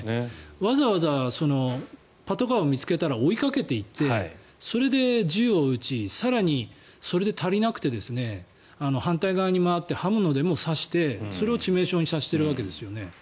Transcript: わざわざパトカーを見つけたら追いかけていってそれで銃を撃ち更にそれで足りなくて反対側に回って、刃物でも刺してそれを致命傷にさせているわけですよね。